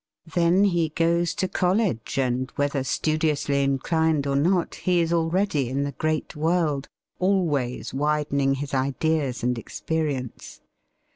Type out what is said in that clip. Then he goes to college, and whether studiously inclined or not, he is already in the great world, always widening his ideas and experience.